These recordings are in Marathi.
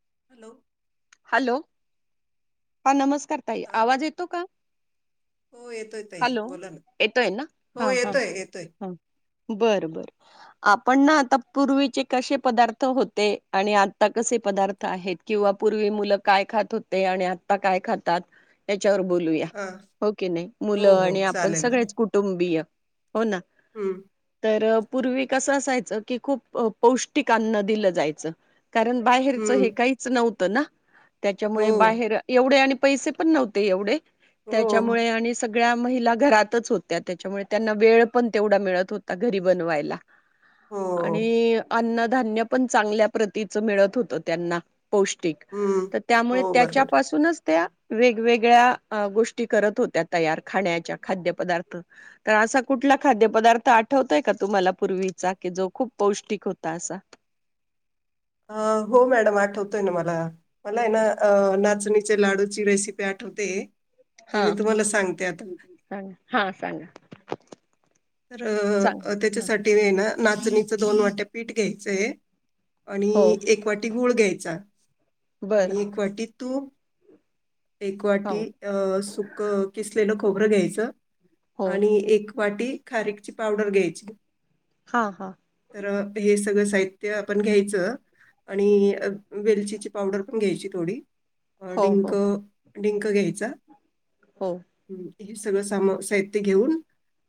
[unintelligible] हॅलो, हा नमस्कार. ताई हा आवाज येतो का? हो येतोय ताई हॅलो, बोला ना येतोय ना, हो हा हा येतोय येतोय हम्म बर बरं. आपण ना आता पूर्वीचे कशे पदार्थ होते आणि आत्ता कसे पदार्थ आहेत किंवा पूर्वी मुलं काय खात होते आणि आत्ता काय खातात याची तर बोलूया हा हो की नई न हो मुलं हो आणि आपण चालेल ना सगळेच कुटुंबीय. हो ना. हम्म तर अ पूर्वी कस असायच की खूप पौष्टिक अन्न दिलं जायचं. कारण बाहेरचं हे हम्म काहीच नव्ह त ना. हो त्याच्यामुळे बाहेर एवढे आणि पैसे पण नव्हते एवढे. हो त्याच्यामुळे आणि सग् गळ्या महिला घरातच होत्या, त्याच्यामुळे त्यांना वेळ पण तेवढा मिळत होता घरी बनवायला. हो आणि अन् ना धान्य पण चांगल्या प्रतीचं मिळत होतं त्यांना पौश् तिक हम्म त त्यामुळे हो बरोबर त्याच्यापासूनच त्या वेगवेगळ्या अ गोष्टी करत होत्या तयार खाण्याच्या खाद्य पदार्थ, त असा कुठला खाद्य पदार्थ आठवतोय का तुम्हाला पूर्वीचा की जो खूप पौष्टिक होता असा? अ हो मॅडम आठवतोय ना मला मला आहे ना अ नाचणीचे लाडूची रेसिपी आठवते. ती मी हा तुम्हाला सांगते आता. सांगा हा सांगा तर सांग अ हा त्याच्यासाठी ए ना नाचणीचं दोन वाट्या पीठ घ्यायचंय. आणि हो एक वाटी गुळ घ्याय चार बर आणि एक वाटी तूप एक वाटी हो अ सुकं किसलेलं खोबरं घ्यायचं. हो आणि एक वाटी खारीकची पावडर घ्यायची. हा हा तर अ हे सगळं हित्य आपण घ्यायचं, आणि अ वेलचीची पावडर पण घ्यायची थोडी. अ हो हो डिंक डिंक घ्यायचा. हो. हम्म, हे सगळं साम साहित्य घेऊन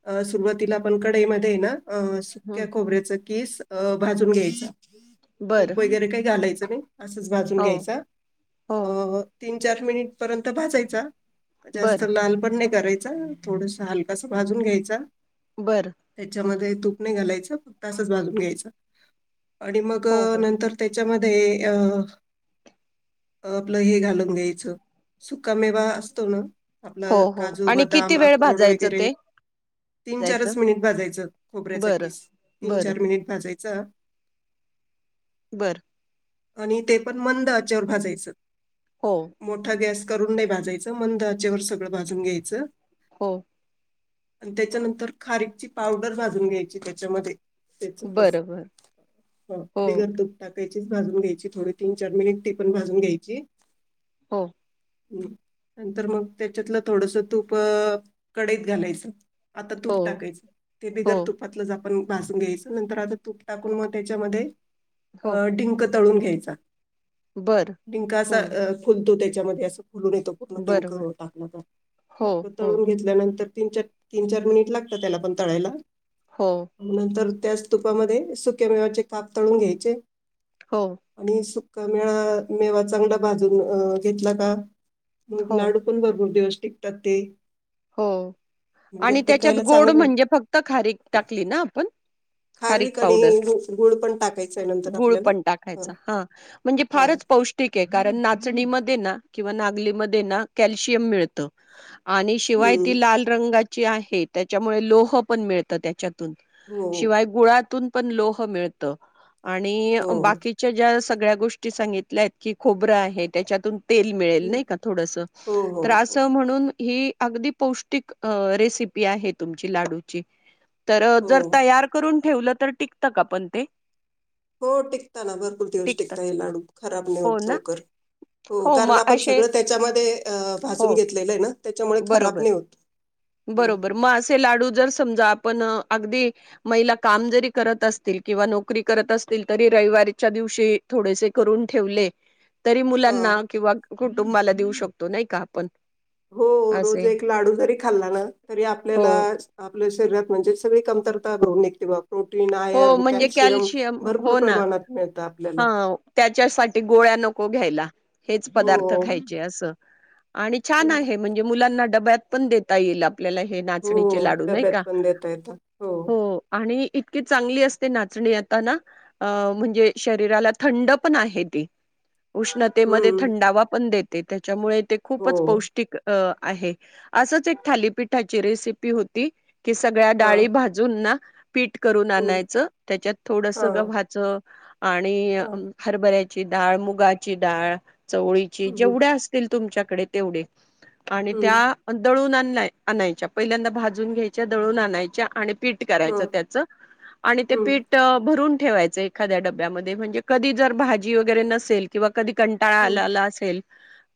अ रवातीला आपण कडईमध्ये आहे ना, अ सुक्क्या हम्म खोबऱ्याचं खिस अ भाजून घ्यायचा बर तूप वगैरे काही घालायचं नाही, असच भाजून हो घ्यायच अ हो तीन त्यात मिनिटपर्यंत भाजयचा. जास्त बर लाल पण नाही करायचा थोडसं हलकास भाजून घ्यायचा. बर त्याच्यामध्ये तूप नाही घालायचं फक्त असच भाजून घ्यायचं. आणि मग हो हो नंतर त्य त्या मध्ये अ अ आपलं हे घालून घ्यायच सुका मे अ असतो हो आपलं हो काजू आणि बदाम किती वेळ अक्रोड भाजायचं वगैरे ते न जायचं चारच मिनिट भाजायचं खोबऱ्याचा बरं किस तीन बरं चार मिनिट यच बरं आणि ते पण मंद आचेवर भाजायचं हो मोठा गॅस करून नाही भाजायचं मंदाच्यावर सगळं भाजून घ्यायचं हो आणि त्य च्यानंतर खारीकची पावडर भाजून घ्यायची त्याच्यामध्ये तेच तस बरं बरं हो बिगर तूप टाक त्यचीच भाजून घ्यायची थोडी तीन चार मिनिट ते पण भाजून घ्यायची हो [unintelligible] नंतर मग त्याच्यातलं थोडस तूप कढईत घालायचं आता तूप हो टाकायचं ते हो बिगर तुपातलं झा ण भाजून घ्यायच नंतर आता तूप टाकून मग त्याच्यामध्ये हो अ डिंक तळून घ्यायचा बरं डिंक अस हम्म अ फुलतो ते च्यामध्ये अस फुलू देतो डिंक बरोबर टाकल तर हो फक्त हो तळून घेतल्यानंतर तिन च तीन चार मिनिट लागतं त्याला पण तळायला हो नंतर त्याच तुपामध्ये सुक्या मेवाचे काप तळून घ्यायचे हो आणि सु का मेळा मेवा चांगला भाजून अ घेतला का? मग हो लाडू पण भरपूर दिवस टिकतात ते हो म्हणजे आणि त्याच्यात टिकायला गोड चांगलं म्हणजे फक्त खारीक टाकली ना आपण खारीक आणि पावडर गु- गुळ पण टाकायचं आहे नंतर गुळ आपल्याला. पण हां टाकायचा हा म्हणजे हां. फारच पौष्टिक के कारण नाचणीमध्ये ना किंवा नागलीमध्ये ना कॅल्शियम मिळत आणि शिवाय हं. ती लाल रंगाची आहे त्याच्यामुळे लोह पण मिळतं त्याच्यात हो, शिवाय गुळातून पण लोह मिळत आणि हो. बाकीच्या ज्या सगळ्या गोष्टी सांगितल्या की खोबरं आहे त्याच्यातून तेल मिळेल हं. नाही का थोडस हो, हो, तर हो, असं म्हणून ही अगदी पौष्टिक रेसिपी आहे तुमची लाडूची तर जर हो. तयार करून ठेव तर टिकत का पण ते हो टिकता ना भरपूर दिवस टिकतं टिकता हे लाडू खराब नाही हो होत ना लवकर हो कारण मग आपण असे सगळं त्याच्यामध्ये भाजून हो घेतलेलं आहे ना त्याच्यामुळे खराब बरोबर नाही होत. हं. बरोबर मासे लाडू जर समजा आपण अगदी महिला काम जरी करत अस किवा नोकरी करत असतील तरी रविवारीच्या दिवशी थोडेसे करून ठेवले तरी मुलांना हां. किंवा कुटुंबाला देऊ शकतो नाही का आपण हो रोज असे एक लाडू जरी खाल्ला ना तरी हो आपल्याला आपल्या शरीात म्हणजे सगळी कमतरता घऊनते बा प्रोटीन, हो आयर्न, म्हणजे कॅल्शियम भरपूर हो ना प्रमाणात मिळतं आपल्याला. ह त्याच्यासाठी गोळ्या नको घ्यायला हेच पदार्थ खायचे असं आणि हो. छान आहे म्हणजे मुलांना डब्यात पण देता येईल ल्याला हे हो नाचणीचे लाडू नाही डब्यात का पण देता येतात. हो आणि इत चांगली असते नाचणी आताना अ म्हणजे शरीराला थंड पण आहे ती उष्णतेमध्येध्ये हम्म. थंडावा पण देत ते त्याच्यामुळे ते खूपच हो. पौष्टिक आहे असच एक थालीपिठाची रेसिपी होती कि सगळ्या हां. डाळी भाजून ना पीट करून हं. आणायचं त्याच्यात थोडसं हां. गव्हाचं आणि हां. हरबऱ्या ची डाळ, मुगाची डाळ, चवळीची हं. जेवढ्या असतील, तुमच्याकडे तेवढे आणि हं. हं. त्या दळून आण आणायच्या. पहिल्यांदा भाजून घ्यायच्या, दळून आणायच्या आणि पीट करायचं हां. त्याचं. आणि ते हं. पीठ रून ठेवायच एखा्या डब्यामध्ये, म्हणजे कधी जर भाजी वगैरे नसेल किंवा कधी कंटाळा हं. आलाला असेल,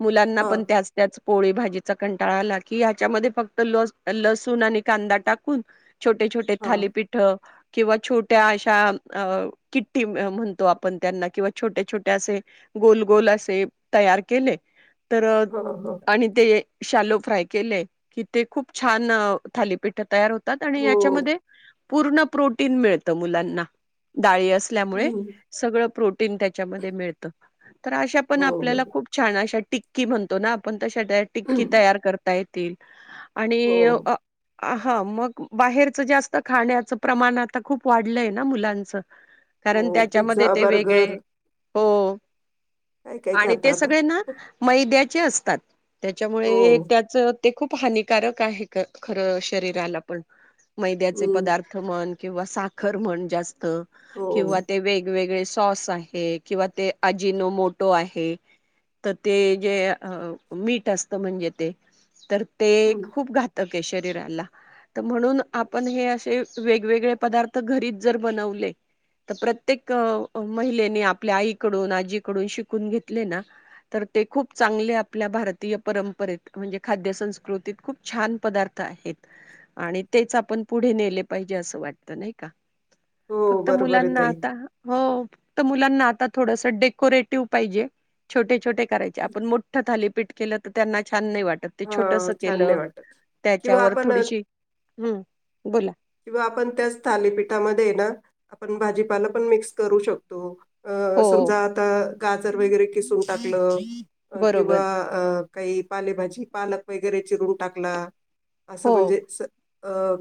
मुलांना पण हां. त्याच - त्याच पोळी - भाजीचा कंटाळा आला की, ह्याच्यामध्ये फक्त ल लसूण आणि कांदा टाकून छोटे - छोटे हां. थालीपीट किंवा छोट्या अशा अ कि्टी म्हणतो आपण त्यांना, किंवा छोट्या - छोट्या असे गोल -गोल असे तयार केले, तर हां. हां. आणि ते शालो फ्राय केले, कि ते खूप छान थालीपीठ तयार होत तात आणि हो. याच्यामध्ये पूर्ण प्रोटीन मिळत मुलांना. डाळी अस ल्यामुळे हं. सगळं प्रो टीन त्याच्यामध्ये मिळत. तर अशा पण हो आपल्याला बरोबर. खूप छान अशा टिक्की म्हणतो ना आपण, तशा त्या टिक्की तयार करता ये तील. हो. आणि अ हा मग बाहेरच जास्त खाण्याचं प्रमाण आता खूप वाढलंय ना मुलांचं. कारण हो. त्याच्यामध्ये पिझ्झा, ते बर्गर वेगळे, हो काय काय आणि ते खाता आता? सगळे ना मैद्या चे असतात. हो. त्याच्यामुळे त्याच ते खूप हानिकारक आहे ख खरं शरीराला पण. मैद्याचे हं. पदार्थ म्हण किंवा साखर म्हण जास् त हो. किंवा ते वेगवेगळे सॉस आहे किंवा ते अजिनोमटो आहे तर ते जे मीठ असत म्हणजे ते तर ते हं. खूप घातक ये शरीराला म्हनून आपण हे अस ते वेगवेगळे पदार्थ घरीच जर बनवले तर प्रत्येक अ महिलेने आपल्या आईकडून आजीकडून शिकून घेतले ना तर ते खूप चांगले आपल्या भारतीय परंपरेत म्हणजे खाद्य संस्कृतीत खूप छान पदार्थ आहेत आणि तेच आपण ते पुढे नेले पाहिजे असं वाटत नाही का? हो फक्त बरोबर आहे मुलांना ताई. आता हो फक्त मुलांना आ ता थोडंसं डेकोरेटिव्ह पाहिजे छोटे छोटे करायचे आपण मोठ थाली पीठ केलं त त्यांना छान नाय वाटत ते छोटस हां. छान नाही केलं वाटत किंवा त्याच्यावर आपण थोडीशी हं बोला किंवा आपण त्याच थालीपीठामध्ये हे ना आपण भाजीपाला पण मिक्स करू शकतो. अ हो समजा आता गाजर वगैरे किसून टाकलं किंवा बरोबर अ काही पालेभाजी पालक वगैरे चिरून टाकला. असं हो म्हणजे स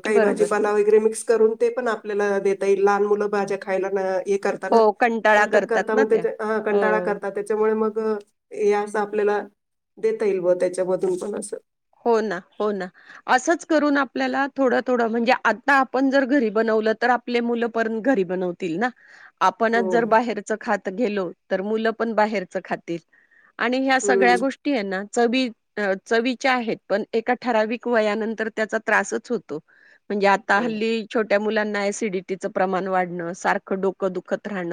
काही बरोबर भाजीपाला वगैरे मिक्स करून ते पण आपल्याला देता येईल लहान मुलं भाज्या खायला नाय हे करता हो ना कंटाळा नाटक करतात करता ना म त्या त्याच्या हं कंटाळा हो करता त्याच्यामुळे मग अ हे अस आपल्याला देता येईल बुआ त्याच्याम धूनपण असं हो ना हो ना असंच करून आपल्याला थोडं थोडं म्हणजे आता आपण जर घरी बनवलं तर आपले मुलं परत घरी बनतील ना. आपणच हो जर बाहेरच खात गेलो. तर मुलं पण बाहेरच खातील. आणि ह्या हम्म सगळ्या गोष्टी ये ना चवी अ चवी च्या आहेत पण एका ठराविक वयानंतर त्याचा त्रासचं होतो. म्हणजे आता हो. हल्ली छो मुलांना एसिडिटीच प्रमाण वाढण. सारखं डोकं दुखत राहण.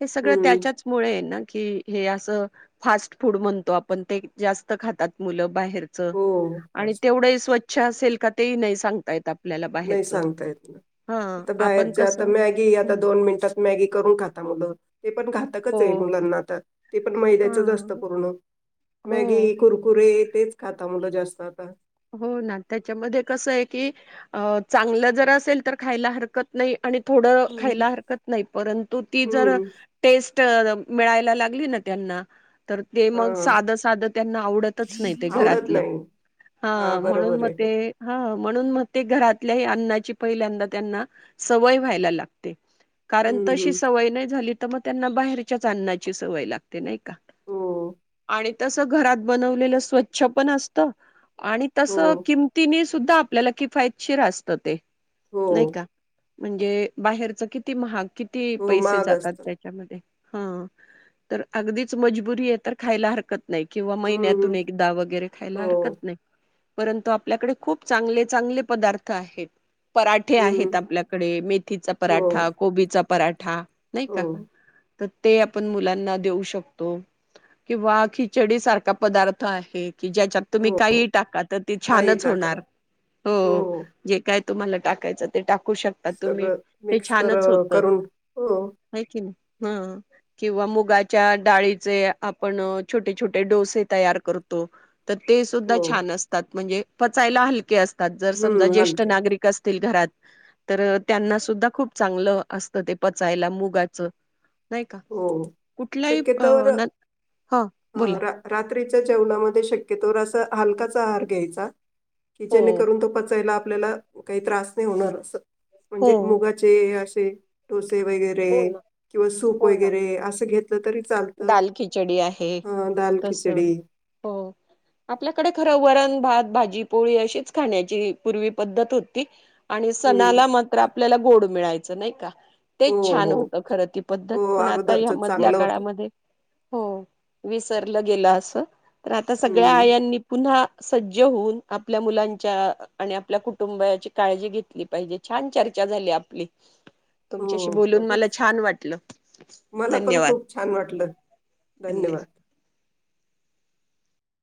हे सगळं हम्म त्याच्याचमुळे आहे ना. की हे अस फास्ट फूड म्हणतो आपण ते जास्त खातात मुल बाहेरच हो. आणि तेवढे स्वच् च्छ असेल का ते ही नाही सांगता येत आप नाही सांगता येत ना. आता आपण बाहेरच्या आता कसं मॅगी? आता हं, दोन मिनिटात मॅगी करून खाता मुलं. ते पण हो, घातकच आहे हो. मुलांना त, ते पण मैद्याचंच असतं हां, पूर्ण. हो, मॅगी, कुरकुरे- हे तेच खाता मुलं जास्त आता. हो ना. त्याच्यामध्ये कसय की चांगलं जर असेल, तर खायला हरकत नाही- आणि थोड हम्म. खायला हरकत नाही परंतु ती जर हम्म. टेस्ट- मिळायला लागली ना त्यांना? तर ते मग हा. साध साधं त्यांना आवडतच नाही ते आवडत घरातलं. नाही. ह. हा म्हणून बरोबर मग आहे. ते, ह- म्हणून मग ते घरातल्या अन्नाचीही पहिल्यांदा त्यांना सवय व्हायला लागते. कारण हम्म तशी हम्म. सवय नाही झाली- त मग त्यांना बाहेरच्याच अन्नाची सवय लागते नाही का? हो. आणि- तस घरात बनवलेलं स्वच्छ पण असत- आणि तस हो. किमतीने- सुद्धा आपल्याला किफायतशीर असतं ते. नाही हो. का? म्हणजे, बाहेरचं किती महाग- किती हो पैसे महाग जातात असतं. त्यांच्यामध्ये - हा. तर अगदीच मजबुरी आहे तर खायला हरकत- नाही किंवा हम्म महिन्यातून हम्म. एकदा वगैरे खायला हो. हरकत नाही. परंतु आपल्याकडे खूप चांगले चांगले पदार्थ आहेत. पराठे आहेत हम्म. आपल्याकडे. मेथीचा हो. पराठा, कोबीचा- पराठा. नाही हो. का? तर ते आपण मुलांना देऊ शकतो किंवा खिचडी सारखा पदार्थ आहे- कि ज्याच्यात तुम्ही हो. काही- टाका तर ते काही छानच टाका. होणार. हो, जे काय- तुम्हाला टाकायंच ते टाक- कू शकता तुम्ही. सगळं ते मिक्स कर छानच होत. करून. हो. आहे कि नाही? ह किंवा मुगाच्या डाळीचे आपण छोटे छोटे डोसे तयार करतो. तर ते- हो. छान असतात म्हणजे- पचायला हलके असते जर सजा हम्म, जेष्ठ हलके. नागरिक असत घरात तर त्यांना सुद्धा खूप चांगलं असत ते पचायला मुगाच नाही का हो. कुठलाही अ शक्यतोवर न ह बोला रात्री चा जेवणामध्ये शक्यतो अस हलकाचा आहार घ्यायचा हो जेणेकरून करून तो पचायला आपल्याला काही त्रास नाही होणार अस हो म्हणजे मुगाचे अशे ते हो वगैरे ना किंवा सूप हो ना वगैरे असं घेतलं तरी चालतं. दाल खिचडी आहे अ, दाल कस खिचडी. हो आपल्याकडे खरं वरण भात भाजी पोळी अशीच खाण्याची पूर्वी पद्धत होती आणि हं. सणाला मात्र आपल्याला गोड मिळायचं नाही का हो, तेच छान हो. होत खरं ती पद्धत हो, पण आता या अगोदरचं मधल्या चांगलं होतं. काळामध्ये हो विसरलं गेलं असं तर आता सगळ्या हं. आयांनी पुन्हा सज्ज होऊन आपल्या मुलांच्या आणि आपल्या कुटुंबाची काळजी घेतली पाहिजे छान चर्चा झाली आपली तुमच्याशी हो. हो, बोलून हो. मला छान वाटलं मला पण धन्यवाद खूप छान वाटलं धन्यवाद